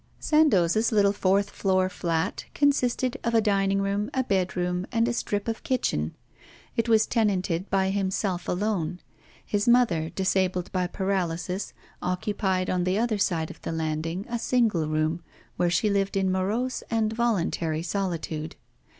Sandoz's little fourth floor flat consisted of a dining room, a bedroom, and a strip of kitchen. It was tenanted by himself alone; his mother, disabled by paralysis, occupied on the other side of the landing a single room, where she lived in morose and voluntary solitude.